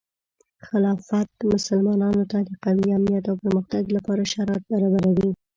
خلافت مسلمانانو ته د قوي امنیت او پرمختګ لپاره شرایط برابروي.